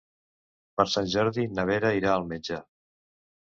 Per Sant Jordi na Vera irà al metge.